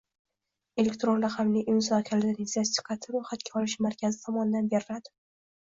Elektron raqamli imzo kalitining sertifikati ro‘yxatga olish markazi tomonidan beriladi.